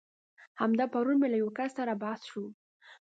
همدا پرون مې له يو کس سره بحث شو.